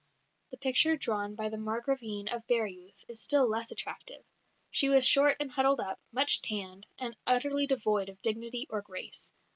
The picture drawn by the Margravine of Baireuth is still less attractive: "She was short and huddled up, much tanned, and utterly devoid of dignity or grace.